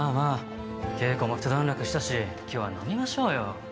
稽古も一段落したし今日は飲みましょうよ。